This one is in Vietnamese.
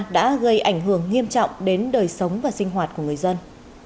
đã gây ảnh hưởng nghiêm trọng đến đời sống và sinh hoạt của người dân